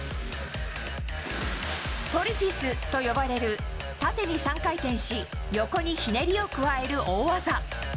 トリフィスと呼ばれる縦に３回転し横にひねりを加える大技。